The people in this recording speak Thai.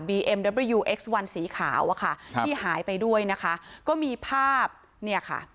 เอ็มเดอร์บริยูเอ็กซ์วันสีขาวอะค่ะครับที่หายไปด้วยนะคะก็มีภาพเนี่ยค่ะ